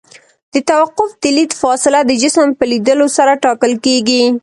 د توقف د لید فاصله د جسم په لیدلو سره ټاکل کیږي